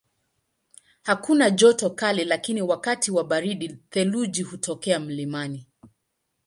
Hakuna joto kali lakini wakati wa baridi theluji hutokea mlimani.